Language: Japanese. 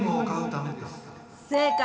正解。